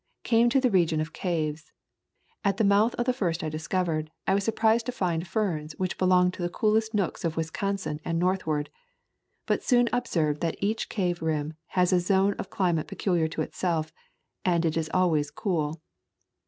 Came to the region of caves. At the mouth of the first I discovered, I was surprised to find ferns which belonged to the coolest nooks of Wisconsin and northward, but soon observed that each cave rim has a zone of climate peculiar to itself, and it is always cool.